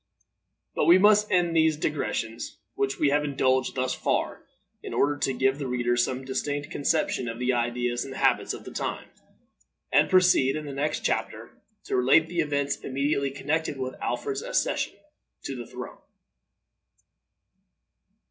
But we must end these digressions, which we have indulged thus far in order to give the reader some distinct conception of the ideas and habits of the times, and proceed, in the next chapter, to relate the events immediately connected with Alfred's accession to the throne.